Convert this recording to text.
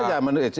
bukan itu saja